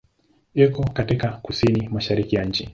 Iko katika kusini-mashariki ya nchi.